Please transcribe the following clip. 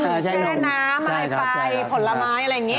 เราก็แช่นมแช่น้ำไฟผลไม้อะไรอย่างนี้